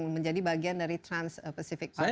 menjadi bagian dari trans pacific part